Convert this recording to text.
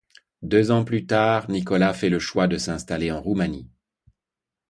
Deux ans plus tard, Nicolas fait le choix de s'installer en Roumanie.